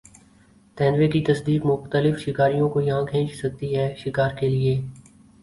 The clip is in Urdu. تیندوے کی تصدیق مختلف شکاریوں کو یہاں کھینچ سکتی ہے شکار کے لیے